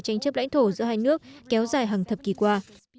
tranh chấp lãnh thổ giữa hai nước kéo dài hàng thập kỷ qua